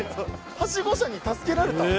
ハシゴ車に助けられた？